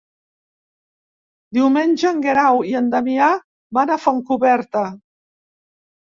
Diumenge en Guerau i en Damià van a Fontcoberta.